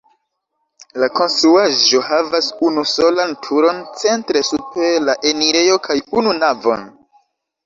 La konstruaĵo havas unusolan turon centre super la enirejo kaj unu navon.